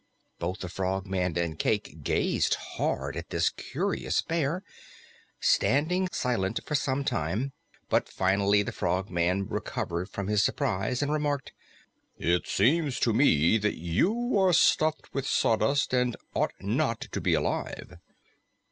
Both the Frogman and Cayke gazed hard at this curious bear, standing silent for some time. But finally the Frogman recovered from his surprise and remarked, "It seems to me that you are stuffed with sawdust and ought not to be alive."